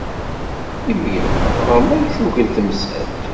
Imir-a, ɣer-m ay tugel temsalt.